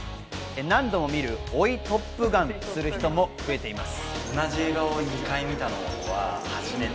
何度も見る追いトップガンする人も増えています。